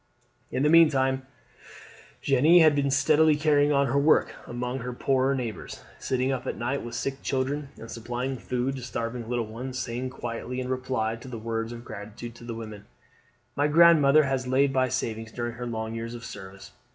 In the meantime Jeanne had been steadily carrying on her work among her poorer neighbours, sitting up at night with sick children, and supplying food to starving little ones, saying quietly in reply to the words of gratitude of the women: "My grandmother has laid by savings during her long years of service.